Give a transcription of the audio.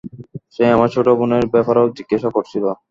সে আমার ছোট বোনের ব্যাপারেও জিজ্ঞাসা করছিল।